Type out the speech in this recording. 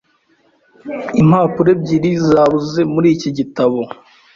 Impapuro ebyiri zabuze muri iki gitabo.